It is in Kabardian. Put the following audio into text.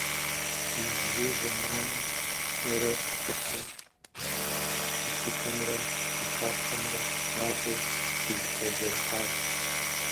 Иужьрей зэманым пщӏэрэ щӏыхьу къэтлъытэмрэ къэлъытапхъэмрэ мащӏэу тфӏызэхэзэрыхьащ.